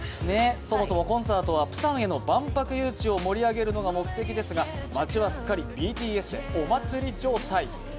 そもそもコンサートはプサンへの万博誘致を盛り上げるのが目的ですが街はすっかりＢＴＳでお祭り状態。